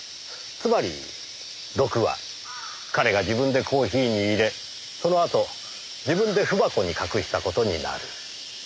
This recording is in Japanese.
つまり毒は彼が自分でコーヒーに入れそのあと自分で文箱に隠した事になる。